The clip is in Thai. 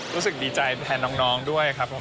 รู้สึกดีใจแทนน้องด้วยครับผม